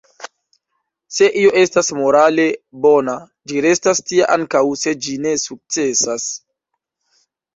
Se io estas morale bona, ĝi restas tia ankaŭ se ĝi ne sukcesas.